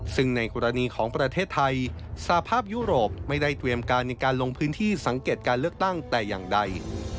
ซึ่งในกรณีของประเทศไทยสภาพยุโรปไม่ได้เตรียมการในการลงพื้นที่สังเกตการเลือกตั้งแต่อย่างใด